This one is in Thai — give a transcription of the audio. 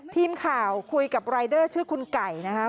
ทีมข่าวคุยกับรายเดอร์ชื่อคุณไก่นะครับ